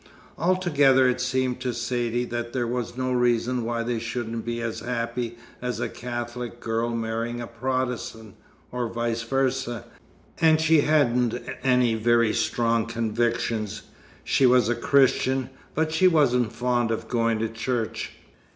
Altogether it seemed to Saidee that there was no reason why they shouldn't be as happy as a Catholic girl marrying a Protestant or vice versa; and she hadn't any very strong convictions. She was a Christian, but she wasn't fond of going to church."